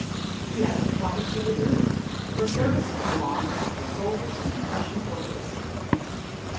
Yet what was she to do? Her services belonged to the soldiers in the Russian fortress.